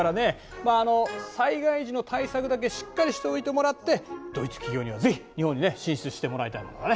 まああの災害時の対策だけしっかりしておいてもらってドイツ企業にはぜひ日本にね進出してもらいたいもんだね。